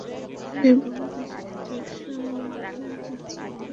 দুনিয়ার বহু দেশে এটি উৎসবের অবিচ্ছেদ্য অঙ্গ।